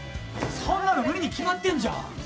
そんなの無理に決まってんじゃん。